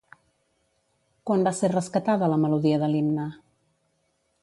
Quan va ser rescatada la melodia de l'himne?